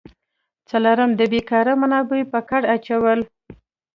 څلورم: د بیکاره منابعو په کار اچول.